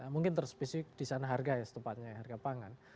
mungkin terspesifik di sana harga ya setepatnya harga pangan